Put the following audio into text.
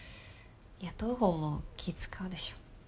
雇う方も気ぃ使うでしょ。